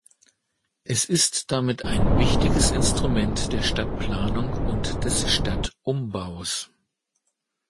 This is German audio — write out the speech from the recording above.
Es ist damit ein wichtiges Instrument der Stadtplanung und des Stadtumbaus.